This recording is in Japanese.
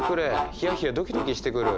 ヒヤヒヤドキドキしてくる。